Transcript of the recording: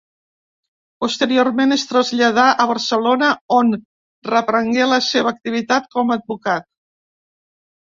Posteriorment es traslladà a Barcelona, on reprengué la seva activitat com a advocat.